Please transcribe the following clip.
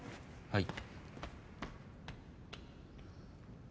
はい。